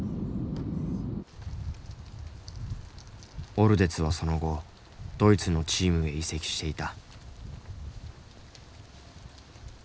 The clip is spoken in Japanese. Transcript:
オルデツはその後ドイツのチームへ移籍していた。